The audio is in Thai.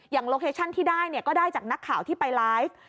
โลเคชั่นที่ได้ก็ได้จากนักข่าวที่ไปไลฟ์